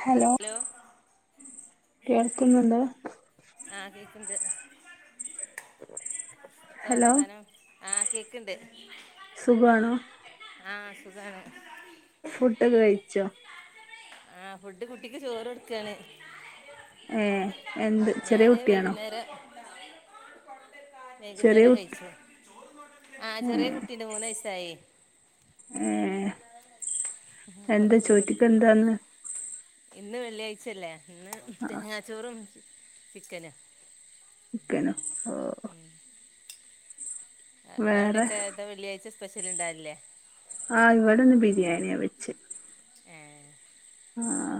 Hello hello കേൾക്കുന്നുണ്ടോ ആഹാ കേക്ക്ണ്ട് ഹലോ എതാവർത്താനം ആഹാ കേക്ക്ണ്ട്. സുഖാണോ? ആഹാ സുഖാണ്. ഫുഡോഒക്കെ കഴിച്ചോ? ആഹാ ഫുഡ് കുട്ടിക്ക് ചോറ്ട്ക്കാണ്. ഏ എന്ത് ചെറിയ ഞാന് കുട്ടിയാണോ വൈകുന്നേരം ചെറിയ വൈകുന്നേരം കുട്ടി കഴിച്ച്. ആഹാ ചെറിയ കുട്ടി - ട്ട ഇണ്ട് മൂന്ന് വയസായേ ഏ പോഒന് ചോറ്ടുക്ക. തന്ന്. ഇന്ന് വെള്ളിയാഴ്ചയല്ലേ ഇന്ന് ആ തെങ്ങാച്ചോറും ചിക്കനുംഅഹ ചിക്കനും ഓഹൊ വേറെ ഇങ്ങളവടെക്കെ എന്താ വെള്ളിയാഴ്ച സ്പെഷ്യല് ഇണ്ടാവ്ലില്ലേ? ആഹ് ഇവിടെ ഇന്ന് ബിരിയാണിയാ വെച്ച് ഏഹേ ആഹാ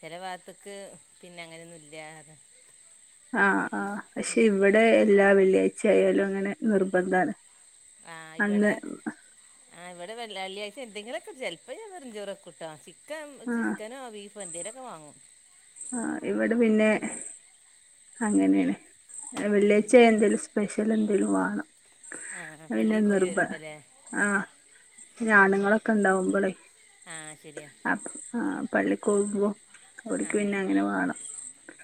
ചില ഭാഗത്തക്ക് പിന്നെ അങ്ങനെയൊന്നും ഇല്യതാ ആഹാ ആഹാ പക്ഷെ ഇവിടെ എല്ലാ വെള്ളിയാഴ്ച ആയാലും അങ്ങനെ നിർബന്ധാണ്. ആഹ അന്ന് ഇവടെ ആഇവിടെ വെള്ളിവെള്ളിയാഴ്ച എന്തെങ്കിലൊക്കെ ചെൽപ്പോ ഞാൻ വെറുചോറ് വെക്കുട്ടോ ചിക്കം ആ ചിക്കനോ ബീഫ് - എന്തെലൊക്കെവാങ്ങും ആഹ് ഇവടെ പിന്നെ അങ്ങനെയാണ്. ആഹ് വെള്ളിയാഴ്ചയാ എന്തേലും സ്പെഷ്യല് എന്തേലും വാണം. ആഹ് അത് പിന്നെ പള്ളി പോയി നിർബ- വരുമ്പല്ലേ ആഹ് ഇഅണുങ്ങളൊക്കെ ണ്ടാവുമ്പോളേ ആഹ് ശരിയാ ആപ്പ ആഹാം. പള്ളിക്കോമ്പോ അവരിക്ക് ആഹ് പിന്നെ അങ്ങനെ വാണം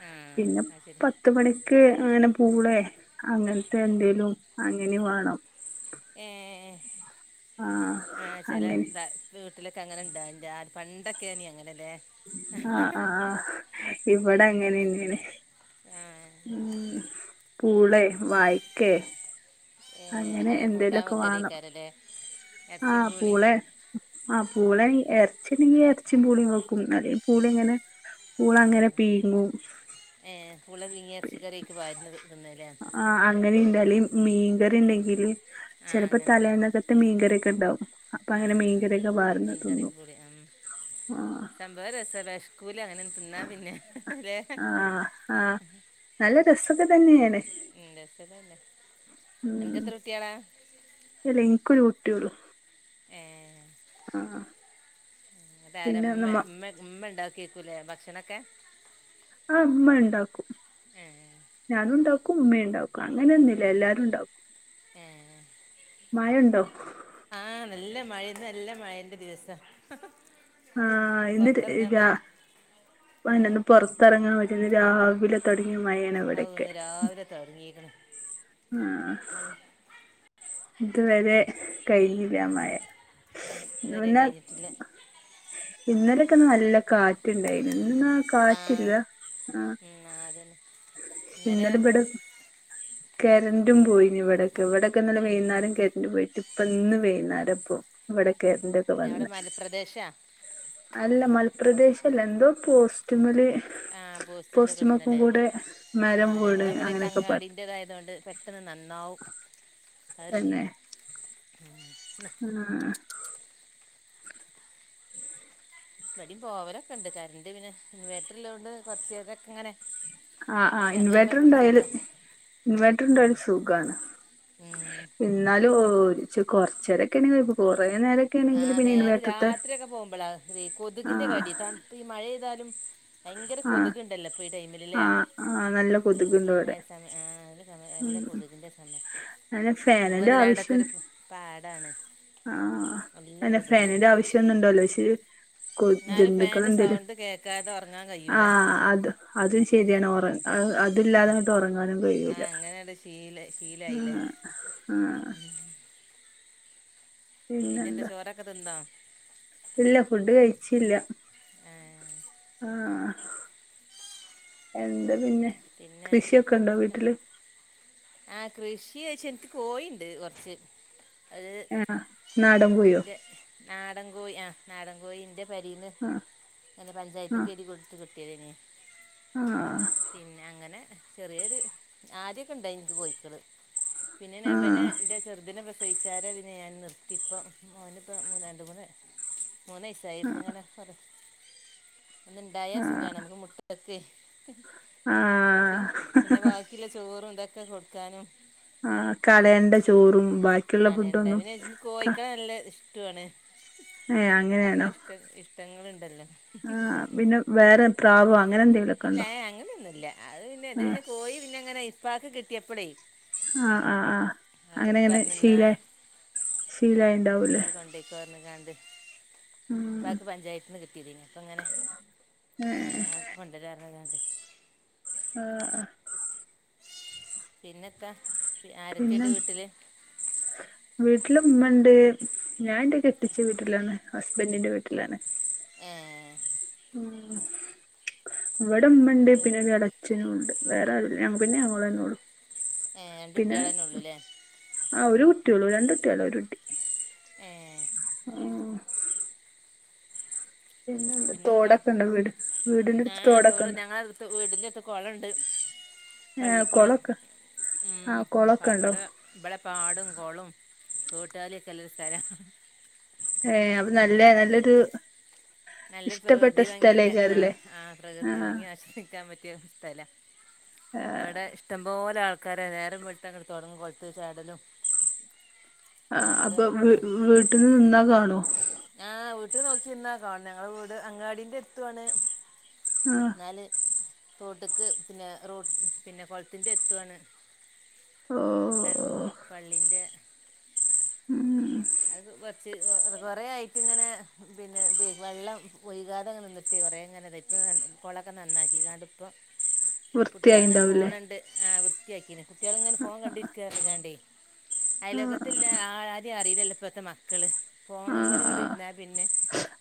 ആഹ് പിന്നെ അത് ശരി ത്ത് മണിക്ക് അങ്ങനെ പൂളെ അങ്ങൻ ത്തെ എന്തേലും അങ്ങനിം വാണം ഏഹ് ആഹ് ആഹ അങ്ങനെ ചെലെവ്താ വീട്ട്ലൊക്കെ അങ്ങനെ ണ്ടാൽണ്ടാര് പണ്ടൊക്കെ നി അങ്ങനലെ ആഹ് ആഹ് ആ ഇവടങ്ങനെന്നേണ്. ആഹ് ഉും പൂളെ വായ്ക്കേ ഏഹ് അങ്ങനെ അങ്ങനൊരു കൂട്ടാൻ എന്തെലൊക്കെ വാണം വെക്കലേക്കാരല്ലേ എറച്ചിം ആഹ് പൂളീം പൂളെ. ആഹ പൂളെനി എർച്ചിണ്ടെങ്കി എർച്ചിം പൂളീം വെകു കുന്നതി പൂളിങ്ങനെ പൂളങ്ങനെ ആഹ് പീങ്ങും ഏഹ് പുള പീങ്ങി എറ്ച്ചിക്കറിയ്ക്ക് പാർന്ന് തിന്നലെ? ആ അങ്ങനീണ്ടലിം മീൻകറിണ്ടെങ്കില് ആഹ് ചെലപ്പ അങ്ങനെല്ലേ തലേന്നകത്തെ മീൻകറിയൊക്കെണ്ടാവും അപ്പങ്ങനെ ആഹ് മീൻകറിക്കെ പാർന്ന് മീൻകറിയും തിന്നും. [unintelligible] ന്താരസം വെഷ്ക്കൂല അങ്ങനെൻതിന്നാ പിന്നെ ഹെ ഹേ ലെ? ആഹാ ആഹ് നല്ല രസൊക്കെ തന്നെണ്. ഇന്നേൽ തന്നേലേ ഉും എല്ല ഇൻക്കൊരു കുട്ടിയൊള്ളു ഏഹേ ആഹാ താര മ്മെ മ്മെ മ്മെ ണ്ടാക്കയ്കുലെ ഭക്ഷണൊക്കെ? ആഹ മ്മണ്ടാക്കും ഏഹ് ഞാനുണ്ടാക്കും ഇമ്മെണ്ടാക്കും അങ്ങനൊന്നുല്ല എല്ലാരുംണ്ടാക്കും ഏഹേ മയണ്ടോ? ആഹാ നല്ലമയെന്ന്നല്ലമയന്റെ ദിവസ ഹ ഹ ആഹ് ഇന്ന് ര് രാ ഏഹ് വൈന്നേര പൊർ തെറങ്ങാൻ പറ്റുന്നില്ല രാവിലെ തൊട്ങ്ങിയ മയെ. ഔഹ് ന്ന് രാവിലെ തൊട്ങ്ങീക്ക്ണ് ആഹ് ഇത് വരെ കയ്ഞ്ഞീല്ല ആ മയ ഔ ത് ഇതുവരെ മുന്നേ കഴിഞ്ഞിട്ടില്ല ഇന്നലൊക്കെ നല്ല കാറ്റ്ണ്ടായിന് ഇന്നാ കാറ്റ് ആഹ് ല്ല ആഹ് ഉം ആഹ് അതന്നെ ഇന്നലെ ഇന്നലെബടെ - കരന്റും പോയിനി ഇവിടെക്കെ ഇവിടക്കെന്നലെ വൈന്നാരം കര്ന്റ് പോയിട്ട് ഇപ്പന്ന് വൈന്നാരപോ ഇവടെകെന്താ പ്പൊ അവിടെ വന്ന് മലപ്രദേശാ അല്ല മൽപ്രദേശല്ല എന്തോ പോസ്റ്റുമല് ആ പോസ്റ്റിൻ്റെ പോസ്റ്റ്മക്കും പ്രശ്നമല്ലേ കൂടെ മരം വൂണ് അങ്ങനൊക്കെ പർഞ്ഞ് ന്റതായതുകൊണ്ട് പെട്ടെന്ന് നന്നാവും അഹ് രിതുണ്ട് ആ ആ ഇവടിം പോവലൊക്കെ ണ്ട് കര്ന്റ് പിന്നെ ഇൻവേട്ടർ ഇല്ലോണ്ട് കൊറ്ച്ചെരൊക്കെ ങ്ങനെ ആ ആ ഇൻവേട്ടർ ണ്ടായാല് ഇൻവെട്ടർ ണ്ടായാല് സുഖാണ് ഉം. ഇന്നാലൂ ഇച്ച് കൊറ്ച്ചേരൊക്കെണെങ്കി കൊയ് കൊറേ നേര ആഹ് നേരെ രാത്രി ഒക്കെ പോവുമ്പളാ വെ കൊതുകിന്റെ ആഹ് കടി തൺത്ത് ഈ മഴെയ്താലും ഭയങ്കര ആഹ് കൊതുക് ണ്ടല്ലോ പ്പ ഈ ടൈമില് ലെ ആഹ് ആഹ് നല്ല ഈ കൊതുകുണ്ട് നേ ഇവിടെ സമ ആഹ് നല്ല സമയ നല്ല ഉം കൊതുകിന്റെ സമയ അങ്ങനെ ഫാനിന്റെ ആവശ്യം ഞങ്ങളെതിലാണ്ടൊക്കൊരു പാടാണ് ആഹ് നല്ല അന്നെ കൊതുകാണ് ഫേനിന്റെ ആവശ്യം ഒന്നുണ്ടോലൊയ് പക്ഷേ കൊ എന്നാലും ഫാനിൻ്റെ ജന്തുക്കളെന്തേല്. സൗണ്ട് കേൾക്കാതെ ഉറങ്ങാൻ കഴിയൂല ആഹ് അത് അതും ശരിയാണ് ഒറ അഹ് അത് ല്ലാതെങ്ങട്ട് ഒറങ്ങാനും കഴിയൂല ആഹ് അങ്ങനെണ്ട് ശീല് ശീലായില്ലേ ആഹ് ആഹ് [inaudible] പിന്നെന്താ ചോറൊക്കെ തിന്നോ ഇല്ല ഫുഡ് കഴിച്ചില്ല ആഹ് ആഹ എന്താ പിന്നെ പിന്നെ കൃഷിയൊക്കെ ഉണ്ടോ വീട്ടില് ആ കൃഷിച്ച എനിക്ക് കോയിണ്ട് കൊറച്ച് അഹ് ആ നാടൻ കോഴിയോ [unintelligible] നാടൻകോഴി ആ നാടൻ കോഴിൻ്റെ പെരിന്ന് ആ അല്ല പഞ്ചായത്തക്ക് എഴുതി കൊടുത്ത് കിട്ടും [unintelligible] ആഹ് പിന്നെ അങ്ങനെ ചെറിയൊരു ആദ്യക്കെ ഇണ്ടാനി നിക്ക് കോയിക്കള് പിന്നെ ആ [unintelligible] എന്റെ ചെറുതിനെ പ്രസവിച്ചാരെ ഞാൻ നിർത്തി ഇപ്പം മോന് ഇപ്പ രണ്ട് മൂന്ന് മൂന്ന് വയസ്സായി ലൈഫ് ങ്ങനെ ഒരു ഒന്ന്ണ്ടായാ ആ സുഖ നമുക്ക് മുട്ടകൊക്കെ ആ മുട്ടയും പിന്നെ ബാക്കിള്ള ചോറും ഇതൊക്കെ കൊടുക്കാനും ആ കളയണ്ട ചോറും ബാക്കിയുള്ള ഫുഡൊന്നും നല്ലെ [unintelligible] [unintelligible] ഏ ഓരോ അങ്ങനെയാണോ ഇഷ്ട ഇഷ്ടങ്ങളുണ്ടല്ലോ ആ പിന്നെ വേറെ പ്രാവോ അങ്ങനെ എന്തെങ്കിലുമൊക്കെ ഇല്ല്യ ഉണ്ടോ ഏ എ അങ്ങനൊന്നുല്ല്യ അത് പിന്നെ ഇത് ഏ പിന്നെ കോയി പിന്നെ ങ്ങനെ ഇപ്പാക് കിട്ടിയപ്പഴേ ആ ആ ആ അങ്ങനെ ങ്ങനെ എന്നാ ശീല ആ എന്നാ ശീലായിണ്ടാവൂല്ലേ [unintelligible] ഉം ഇപ്പാക്ക് പഞ്ചായത്തിന്ന് കിട്ടീത് എനി അപ്പങ്ങനെ ഏ ഞാൻ കൊണ്ടാരാന്ന്റ്ഞ്ഞ്കണ്ട് ആ ആ പിന്നെത്താ പിന്നെ ആരൊക്കെയുണ്ട് [inaudible] വീട്ടില് വീട്ടില ഉമ്മ ഉണ്ട് ഞാനെന്റെ കെട്ടിച്ച വീട്ടിലാണ് ഹസ്ബൻറിിന്റെ വീട്ടിലാണ് ഏഹ് ഇവിടെ ഉമ്മണ്ട് പിന്നെ [unintelligible] അച്ഛനും ഉണ്ട് വേറെ ആരൂല്ല ഞങ്ങ പിന്നെ നിങ്ങളെന്നെ ഉള്ളു ഏ രണ്ട് പിന്നെ കുട്ടികളെന്നെ ഉള്ളൂല്ലേ ആഹ് ഒരു കുട്ടിയുള്ളൂ രണ്ട് കുട്ടിയല്ല ഒരു കുട്ടി ഏഹ് [inaudible] പിന്നെ പിന്നെത്താ തോടൊക്കെ ഉണ്ട് വീട് വീടിന്റെടുത്ത് തോടൊക്കെണ്ട് വീടിന്റെടുത്ത് കോളണ്ട് ഏ പള്ളിക്കുളം കൊളൊക്കെ ഉം ആ കൊളൊക്കെ ഉണ്ടോ ഇവടെ ഇവടെ പാടും കോളും തോട്ടാലിയൊക്കെ ഉള്ളൊരു സ്ഥലമാണ് ഏഹ് അപ്പൊ നല്ല നല്ലൊരു നല്ലൊരു ഇഷ്ടപ്പെട്ട പ്രകൃതി ഭംഗിയില്ല സ്ഥലേക്കാരല്ലേ ആഹ് ആഹ് ആ പ്രകൃതി ഭംഗി ആസ്വദിക്കും ആസ്വദിക്കാൻ പറ്റിയ ഒരു സ്ഥല ഇവിടെ ഇഷ്ടംപോലെ ആൾക്കാരെ നേരം വെളുത്ത അങ്ങ് തുടങ്ങും കൊളത്ത് ചാടലും ആഹ് ഭയങ്കര അപ്പൊ വി വീട്ടിൽ നിന്നാ കാണോ ആഹ് വീട്ടിൽ നോക്കിനിന്നാ കാണും ഞങ്ങള് വീട് അങ്ങാടീന്റെ എടുത്താണ് ആഹ് എന്നാൽ തോട്ട്ക്ക് പിന്നെ റോ പിന്നെ കുളത്തിൻ്റെ എടുത്താണ് ഓഹ് പള്ളിൻ്റെ [inaudible] അത് കുറച്ച് കൊറ ആയിട്ട് ഇങ്ങനെ പിന്നെ ഇത് വെള്ളം ഒയ്ക്കാതെ ഇങ്ങനെ നിന്നിട്ട് കുറെങ്ങനെതയി ഇപ്പൾ കുളൊക്കെ നന്നാക്കിങ്ങാണ്ട് ഇപ്പം [inaudible] കുട്ടികളിങ്ങനെ വൃത്തിയായിണ്ടാവൂലേ ഫോണുണ്ട് ആ വൃത്തിയാക്കിന് കുട്ടികളിങ്ങനെ ഫോൺ ആ കണ്ടിരിക്കാ [unintelligible] അയലോകത്തില്ല ആ ആരേ അറിയില്ലല്ലൊ ഇപ്പത്തെ മക്കള് ആഹ് ഫോണ്മേലങ്ങട്ട് ആഹ് ഇരുന്നാ പിന്നെ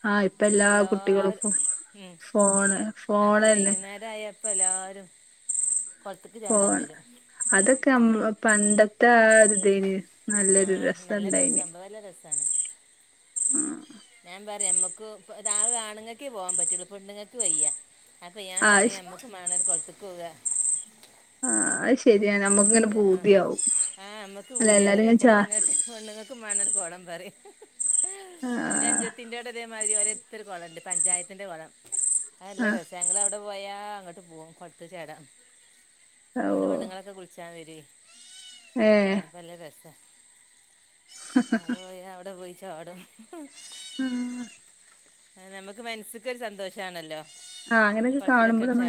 ആഹ് ഇപ്പ എല്ലാ എല്ലാരു കുട്ടികൾക്കും ഉം ഫോണ് അപ്പൊ ഫോണന്നെ വൈകുന്നേരായ ഇപ്പെല്ലാരും പോവാണ് അതൊക്കെ അം പണ്ടത്തെ ആഒര് ഇതിന് നല്ലൊരു രസുണ്ടായിന് നല്ലരസാണ് ഉം ഞാൻ പറയാ ഞമ്മക്ക് താവെ ആണുങ്ങക്കേ പോവാൻ പറ്റുള്ളു പെണ്ണുങ്ങക്ക് വയ്യ അയിപ്പ ഞാൻ പറയ ആഹ് ഞമക്ക് വേണൊരു കൊളത്തുക്കു പോവ ആഹ് അത് ശരിയാണ് നമ്മുക്കിങ്ങനെ പൊറത്ത്ക്ക് ആഹ് പൂതിയാവും ആഹ് നമ്മക്ക് അല്ല എല്ലാരും പൂതിയാവലേ ഇങ്ങനെ ചാ പെണ്ണുങ്ങക്ക് പെണ്ണ്ങ്ങക്കും വേണൊരു കൊളംപറയു ആഹ് എന്റെ അൻഞ്ചത്തീറ്റവിടെ ഇതേമാതിരി ആടെടത്തൊരു കൊളണ്ട് പഞ്ചായത്തിന്റെ കൊളം ആഹ് അതല്ലരസ ഞങ്ങള് അവിടെപോയാ അങ്ങട്ട് പോവും കൊളത്തി ചാടാൻ ആടെ ഓഹ് പെണ്ണുങ്ങളൊക്കെ കുളിച്ചാൻ വരേ ഏഹ് നല്ല രസാ ആടെ പോയി അവടെ പോയി ചാടും ആഹ് ഞമക്ക് മനസ്സ്ക്കൊരു സന്തോഷാണല്ലോ ആഹ് അങ്ങനൊക്കെ കാണുമ്പൊളൊനു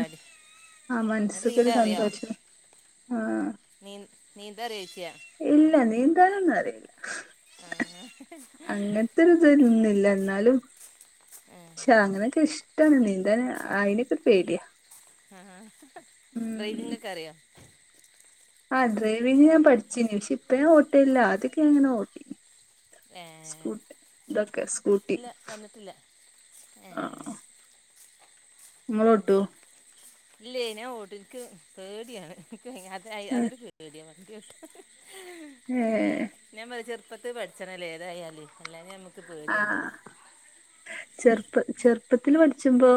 ആഹ് അത് മനസ്സ്ക്കൊരു നീന്താ അറിയാമോ സന്തോഷം ആഹ് നീ നീന്താറിയോ ഇച്ച് ഇല്ല നീന്താനൊന്നും അറിയില്ല ആ അങ്ങനത്തൊരു തരുന്നില്ല എന്നാലും പക്ഷേ ആ അങ്ങനൊക്കെ ഇഷ് ട്ടാണ് നീന്താന് അയിനൊക്കെ പേടിയ ആഹ് ഡ്രൈവിഗൊക്കെ അറിയോ ആഹ് ഡ്രൈവിംഗ് ഞാൻ പഠിച്ചിനി പക്ഷെ ഇപ്പഞാ ഓട്ടില്ല അതൊക്കെ എങ്ങനെ ഓട്ടി ഏ സ്കൂട്ട് ഇതൊക്കെ സ്കൂട്ടി ഇല്ല വന്നിട്ടില്ല ആഹ് ആഹ് ഇല്ലേ ഞാഓട്ടു ൻക്ക് പേട്യാണ് ഇൻക്ക് തായ് അതൊരു പേടിയാ വണ്ട്യോട്ട് ഏഹ് ഞാൻപറയ് ചെറുപ്പത്ത് പഠിച്ചണല്ലേ ഏതായാല് അല്ലാഞെ അമ്മക്ക്പേ ആഹ് ചെറുപ്പ ചെറുപ്പത്തില് പഠിച്ചുമ്പോ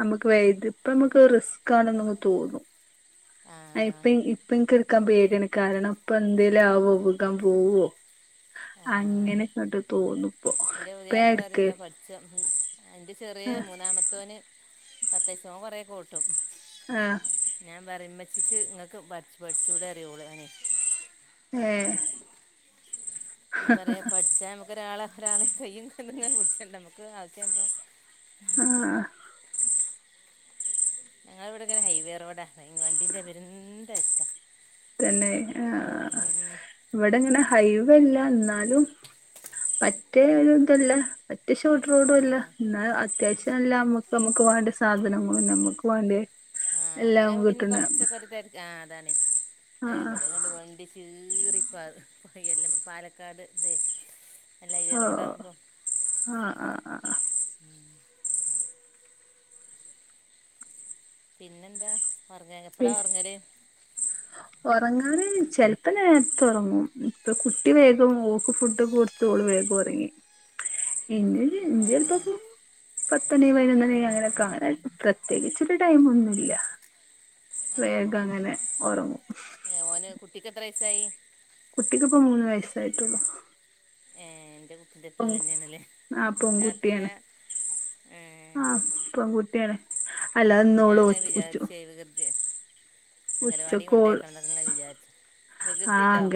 നമുക്ക് വേഇത് ഇപ്പമ്മക്ക് റിസ്കാണെന്നൊക്കെ തോന്നും ആ ആഹ് ഇപ്പ ഇപ്പഇൻക്ക് ഇട്ക്കാൻ പേട്യാണ് കാരണം ഇപ്പെന്തേലും ആവോ വികാൻ പോവോ ആ അങ്ങനെങ്ങട്ട് തോന്നുപ്പൊ ഇപ്പയാ എട്ക്ക്- എന്റെ ചെറിയ മൂന്നാമത്തോന് പത്തെയ്സാ ഓൻ കൊറേക്കോട്ടും ആഹ് ഞാൻ പറിം മ്മച്ചിക്ക് ഇങ്ങക്ക് പഠ് പഠിച്ചൂടെ അറീ ഓള് ഓന് ഏഹ് ഞാൻ പറയാ പഠിച്ചാ ഞമുക്കൊരാള ഒരാളെ കയ്യും കാലുങ്ങനെ പിടിച്ചണ്ട ഞമക്ക് ആവശ്യാവുമ്പോ ആഹ് ആഹ് ഞങ്ങളവി ടെങ്ങനെ കെ ഹൈവേ റോഡാ മെയ്ൻവണ്ടിന്റെ പെരും തെര്ക്കാ തന്നെ ആഹ് ആഹ് ഇവിടെങ്ങനെ ഹൈവെല്ല എന്നാലും മറ്റേ രു ഇതല്ല ഉം പറ്റഷോട്ട് ആ റോഡുവല്ല ന്നാ അത്യാവശ്യം നല്ല ഉം അമ്മക്ക് നമുക്ക് വേണ്ട- സാധനങ്ങളും ഞമുക്ക് വാണ്ട്യ ആഹ് അങ്ങനാവുമ്പോ പിന്നിം കൊറച്ചൊക്കെരു തെര് ആഹ് അതാണെ അഹ് ആഹ് ഇവടെ കണ്ട് വണ്ടി ചീറിപ്പാറാ കൈയ്യെല്ലാം പാലക്കാട് തെ ഓഹ് ആഹ് ആഹ് അഹ് പിന്നെന്താ ഒർ എപ്പളാ ഒർങ്ങല് ഒറങ്ങാന് ചെലപ്പം നേരത്ത ഒറങ്ങും ഇപ്പ കുട്ടി വേഗം ഓക്ക് ഫുഡൊകെ കൊട് ത്ത് ഓള്‌ വേഗം ഒറങ്ങി ഇന്നിനി ഏ ഇന്നിപ്പപ്പാെ പത്തണി പയ്നൊന്നണി അങ്ങനൊക്കെ ആവാനായി പ്രത്യേകിച്ചൊരു ടൈം ഒന്നുല്ല വേഗം അങ്ങനെ ഒറങ്ങും ഏഹ് ഓന് കുട്ടിക്ക് എത്രയസ്സായി കുട്ടിക്ക്പ്പോ മൂന്ന് വയസ്സായിട്ടുള്ളൂ ഏഹ് ഇന്റെ കുട്ടിന്റെപ്പം ഇല്ലന്നെണ്ലേ ആ പെൺകുട്ടിയാണ് രാത്രിവേം ഏഹ് പെങ്കുട്ട്യാണ് ഞാനങ്ങനെ വിചാര്ച്ചേ വ്കൃതേ അങ്കലവാടി കൊണ്ടേക്കണംന്ന് ങ്ങനെ വിചാരിച്ച് ആഹ് അംഗ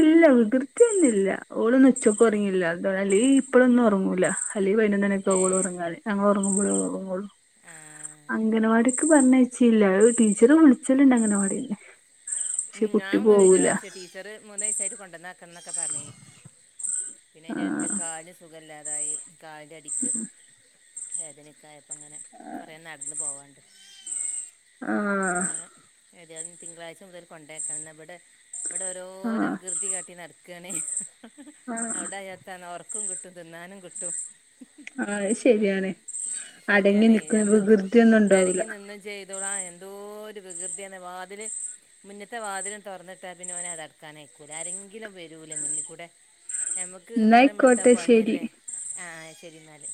ഇല്ല വികൃതിയൊന്നില്ല ഓള് ഇന്നുച്ചുക്ക ഒറങ്ങീല്ല അതാ അല്ലെങ്കി ഇപ്പഴന്നൊറൂങ്ങൂല അല്ലേ പയ്നൊന്നണിക്കെ ആവുംഓള് ഏഹ് ഉറങ്ങാന് ഞങ്ങള് ഒറങ്ങുമ്പളെ ഓള് ഒറങ്ങാെള്ളൂ ആഹ് അംഗനവാടിക്ക് പറഞ്ഞയച്ചീല്ല അഅ് ടീച്ചറ് വിളിച്ചല്ണ്ടഅംഗനവാടീന്ന് ഉം ഞാങ്ങനെ വിചാരിച്ച്ടീച്ചറ് മൂന്നയ് സായിട്ട് കൊണ്ടന്നാക്കണംന്നൊക്കെ പറഞ്ഞീനി പിന്നെ ആ അതിന്റെടെക് കാല് സുഖല്ലാതായി കാലിന്റടിക്ക് വേദനെക്കായപ്പങ്ങനെ കൊറെ നടന്ന് പോവാണ്ട് ആ അങ്ങനെ ഏതായ്ലും തിങ്കളാഴ്ച മുതൽ കൊണ്ടേക്കണന്ന ഇവടെ ഇവടെ ആ ഓരോരാവികൃതി കാട്ടി നടക്കാണേ ആ ആ അവിടായാ ചെന്നാ ഒർക്കും കിട്ടും തിന്നാനും കിട്ടും അത് ശരിയാണ് അടങ്ങി ശരിയാണേ നിൽക്കുന്ന ഞമ്മക്ക് വികൃതിയൊന്നും അരങ്ങി ഉണ്ടാവൂല നിന്ന് ചെല് ന്തുളാ എന്തോര് വികൃതിയാന്നേ വാതില് മുന്ന്ത്തെ വാതിലൺ തൊറന്നിട്ടാ പിന്നെ ഓനെ അതക്കാനയക്കൂല ആരെങ്കിലും വരൂലേ മുന്ന്കൂടെ ഞമ്മക്ക് നേരം വെള്ത്താ എന്നായിക്കോട്ടെ ശരി പണിയല്ലേ ആഹ് ശരി ഇന്നാല്